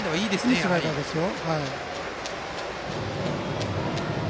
いいスライダーですよ。